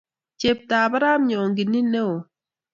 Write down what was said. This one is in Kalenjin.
Cheptap arap Nyongi ni ne oo.